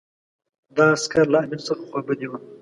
دا عسکر له امیر څخه خوابدي وو.